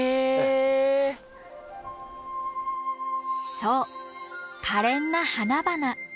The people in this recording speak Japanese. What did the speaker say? そうかれんな花々。